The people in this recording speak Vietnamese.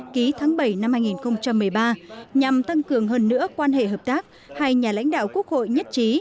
ký tháng bảy năm hai nghìn một mươi ba nhằm tăng cường hơn nữa quan hệ hợp tác hai nhà lãnh đạo quốc hội nhất trí